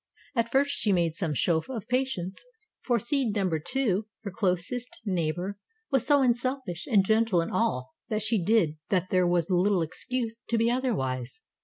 At first she made some show of patience, for seed number Two, her closest neighbor, was so unselfish and gentle in all that she did that there was little excuse to be otherwise.